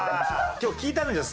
今日聞いたのよ